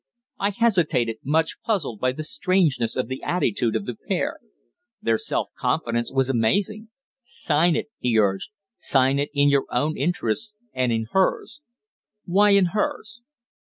I hesitated, much puzzled by the strangeness of the attitude of the pair. Their self confidence was amazing. "Sign it," he urged. "Sign it in your own interests and in hers." "Why in hers?"